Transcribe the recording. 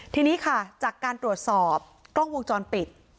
ทีนี้ค่ะจากการตรวจสอบกล้องวงจรปิด